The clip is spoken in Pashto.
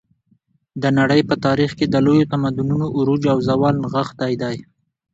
د نړۍ په تاریخ کې د لویو تمدنونو عروج او زوال نغښتی دی.